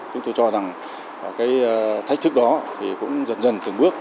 chúng tôi cho rằng thách thức đó cũng dần dần từng bước